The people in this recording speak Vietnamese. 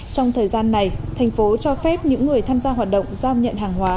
trong thời gian này thành phố cho phép những người tham gia hoạt động giao nhận hàng hóa